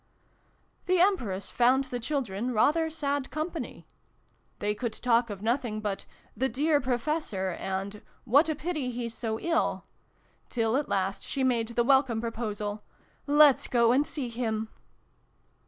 The Empress found the children rather sad company. They could talk of nothing but " the dear Professor," and " what a pity he's so ill !", till at last she made the welcome proposal " Let's go and see him